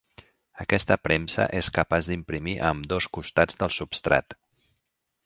Aquesta premsa és capaç d'imprimir a ambdós costats del substrat.